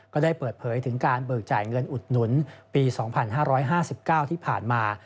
ก็ได้เปิดเผยถึงการเบิกจ่ายเงินอุดหนุนปี๒๕๕๙ที่ผ่านมา